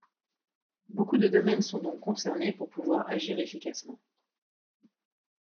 Beaucoup de domaines sont donc concernés pour pouvoir agir efficacement.